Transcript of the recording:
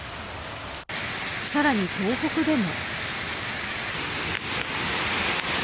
さらに東北でも。